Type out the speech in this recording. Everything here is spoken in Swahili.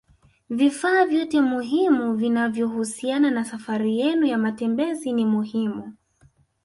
Vifaa vyote muhimu vinavyohusiana na safari yenu ya matembezi ni muhimu